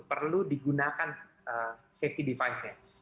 perlu digunakan safety device nya